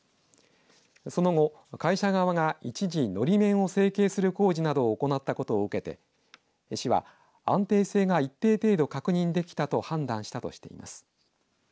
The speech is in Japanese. その後、会社側が一時のり面を整形する工事なども行ったことを受けて市は安定性が一定程度、確認できたと判断したとしています。